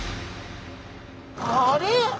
あれ？